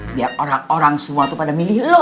biar orang orang semua tuh pada milih loh